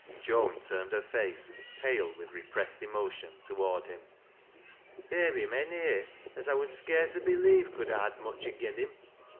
Joan turned her face, pale with repressed emotion, toward him. " There be men here as I would scarce ha' believed 30uld ha' had much agen him.